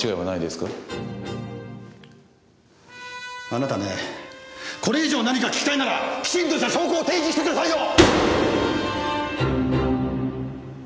あなたねこれ以上何か聞きたいならきちんとした証拠を提示してくださいよ！